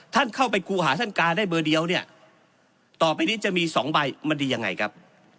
ท่านเข้าไปครูหาท่านกาได้เบอร์เดียวเนี่ยต่อไปนี้จะมี๒ใบมันดียังไงครับ